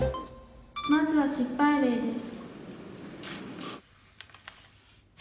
「まずは失敗例です」。